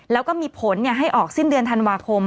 แล้วก็มีผลให้ออกสิ้นเดือนธันวาคม